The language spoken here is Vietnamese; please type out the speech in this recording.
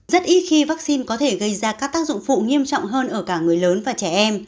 rất ít khi vaccine có thể gây ra các tác dụng phụ nghiêm trọng hơn ở cả người lớn và trẻ em